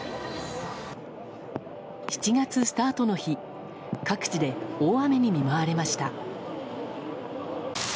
７月スタートの日各地で大雨に見舞われました。